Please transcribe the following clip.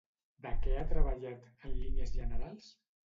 De què ha treballat, en línies generals?